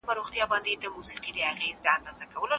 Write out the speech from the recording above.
که ته په حوصله کار وکړې نو پرمختګ کوې.